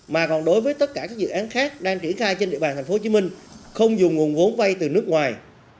mà còn đối với tất cả các dự án khác đang triển khai trên địa bàn thành phố hồ chí minh không dùng nguồn vốn vay từ nước ngoài